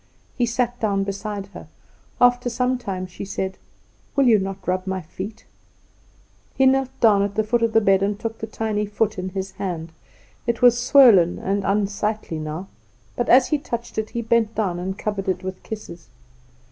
He sat down beside her, after some time she said: "Will you not rub my feet?" He knelt down at the foot of the bed and took the tiny foot in his hand; it was swollen and unsightly now, but as he touched it he bent down and covered it with kisses.